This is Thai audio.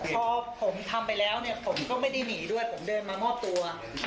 พอผมทำไปแล้วเนี่ยผมก็ไม่ได้หนีด้วยผมเดินมามอบตัว